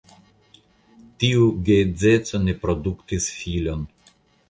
Tiu geedzeco ne produktis filon.